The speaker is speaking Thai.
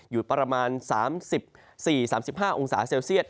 อยู่ประมาณ๓๔๓๕องศาเซลเซียต